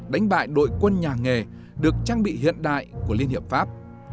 đánh bại đội quân nhà nghề được trang bị hiện đại của liên hiệp pháp